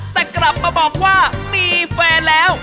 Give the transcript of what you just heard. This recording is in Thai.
แต่กลับมาบอกว่ามีแฟนแล้ว